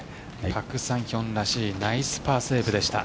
パク・サンヒョンらしいナイスパーセーブでした。